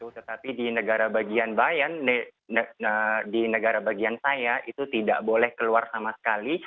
tetapi di negara bagian bayan di negara bagian saya itu tidak boleh keluar sama sekali